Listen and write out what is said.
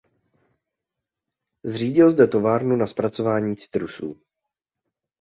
Zřídil zde továrnu na zpracování citrusů.